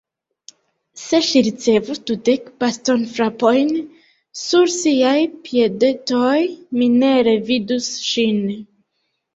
Se ŝi ricevus dudek bastonfrapojn sur siaj piedetoj, mi ne revidus ŝin.